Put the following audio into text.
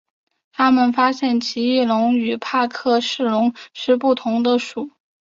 他们发现奇异龙与帕克氏龙是不同的属。